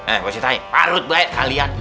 eh posisain parut baik kalian